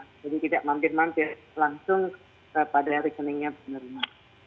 jadi tidak mampir mampir langsung kepada rekeningnya penerima